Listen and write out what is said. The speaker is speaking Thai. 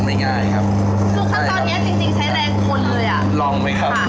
ก็ให้อยู่ในขนาดที่พร้อมให้เสมอกัน